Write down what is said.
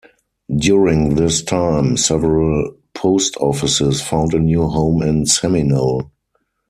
During this time, several post offices found a new home in Seminole.